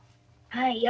はい。